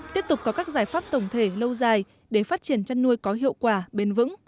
tiếp tục có các giải pháp tổng thể lâu dài để phát triển chăn nuôi có hiệu quả bền vững